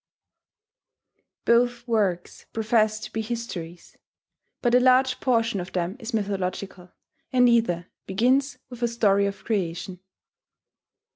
Both works profess to be histories; but a large portion of them is mythological, and either begins with a story of creation.